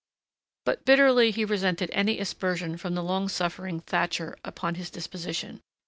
But bitterly he resented any aspersion from the long suffering Thatcher upon his disposition.